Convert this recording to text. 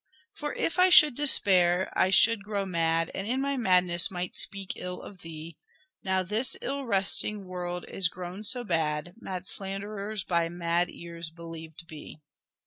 For if I should despair I should grow mad, And in my madness might speak ill of thee, Now this ill wresting world is grown so bad Mad slanderers by mad ears believed be."